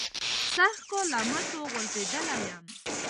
سږ کال له مټو غورځېدلی یم.